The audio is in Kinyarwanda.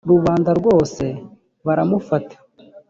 rubanda rwose baramufata